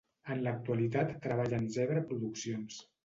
En l'actualitat treballa en Zebra Produccions.